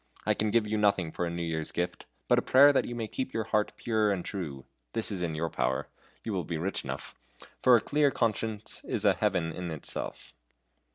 I can give you nothing for a New Year's gift, but a prayer that you may keep your heart pure and true this is in your power you will be rich enough for a clear conscience is a Heaven in itself."